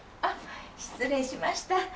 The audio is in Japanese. あっ失礼しました。